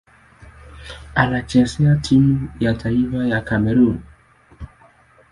Anachezea timu ya taifa ya Kamerun.